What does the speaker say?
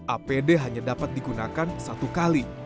apd hanya dapat digunakan satu kali